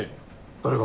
誰が？